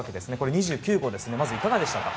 ２９号、まずいかがでしたか？